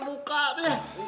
satu keluarga bangun